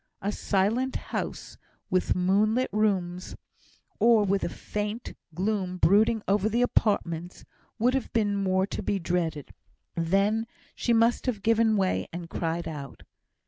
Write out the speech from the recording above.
A silent house, with moonlit rooms, or with a faint gloom brooding over the apartments, would have been more to be dreaded. Then, she must have given way, and cried out.